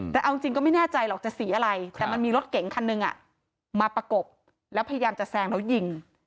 แต่เอาจริงก็ไม่แน่ใจหรอกจะสีอะไรแต่มันมีรถเก๋งคันหนึ่งมาประกบแล้วพยายามจะแซงแล้วยิง